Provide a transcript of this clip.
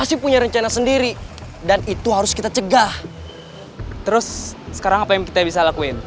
sampai jumpa di video selanjutnya